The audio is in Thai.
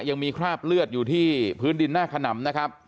ยังมีคราบเลือดอยู่ที่พื้นดินหน้าขนำนะครับ